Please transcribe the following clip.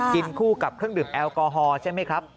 กินคู่กับเครื่องดื่มแอลกอฮอล์ใช่ไหมครับ